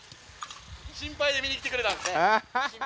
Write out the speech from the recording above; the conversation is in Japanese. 心配で見に来てくれたんですね。